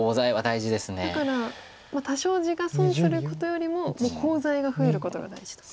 だから多少地が損することよりもコウ材が増えることが大事と。